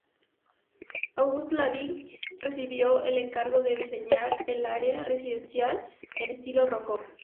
August La Vigne recibió el encargo de diseñar el área residencial en estilo rococó.